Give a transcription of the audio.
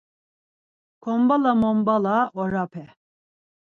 Kombala mombala orape!